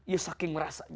ya saking merasa